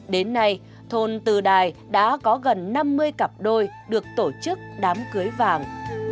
đến nay thôn từ đài đã có gần năm mươi cặp đôi được tổ chức đám cưới vàng